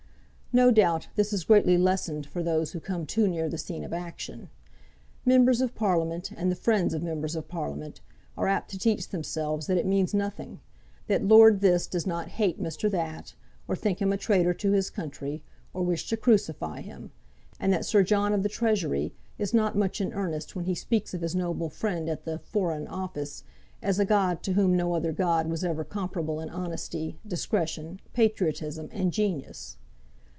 No doubt this is greatly lessened for those who come too near the scene of action. Members of Parliament, and the friends of Members of Parliament, are apt to teach themselves that it means nothing; that Lord This does not hate Mr. That, or think him a traitor to his country, or wish to crucify him; and that Sir John of the Treasury is not much in earnest when he speaks of his noble friend at the "Foreign Office" as a god to whom no other god was ever comparable in honesty, discretion, patriotism, and genius.